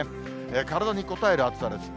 体にこたえる暑さです。